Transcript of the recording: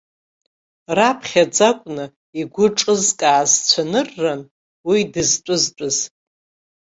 Раԥхьаӡа акәны игәы ҿызкааз цәанырран уи дызтәызтәыз.